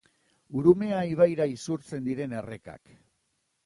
Urumea ibaira isurtzen diren errekak.